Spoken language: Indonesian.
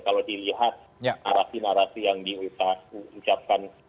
kalau dilihat narasi narasi yang diucapkan